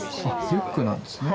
リュックなんですね。